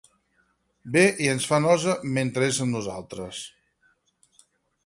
Ve, i ens fa nosa mentre és amb nosaltres.